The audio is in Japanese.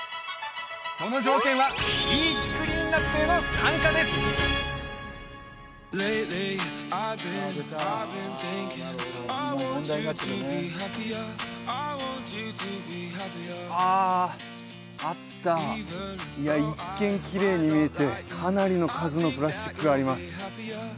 その条件はビーチクリーンナップへの参加ですああったいや一見きれいに見えてかなりの数のプラスチックがあります